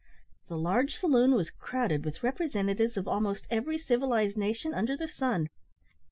The large saloon was crowded with representatives of almost every civilised nation under the sun.